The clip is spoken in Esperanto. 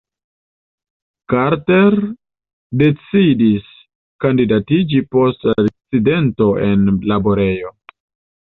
Carter decidis kandidatiĝi post akcidento en laborejo.